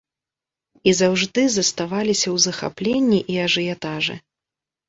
І заўжды заставаліся ў захапленні і ажыятажы!